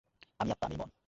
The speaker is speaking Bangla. আমিই আত্মা, আমিই মন।